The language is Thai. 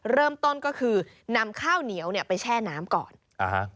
เริ่มต้นก็คือนำข้าวเหนียวเนี่ยไปแช่น้ำก่อนอ่าฮะ